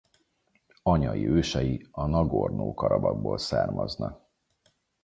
Anyai ősei a Nagorno-Karabahból származnak.